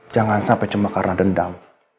jangan sampai cuma karena dendam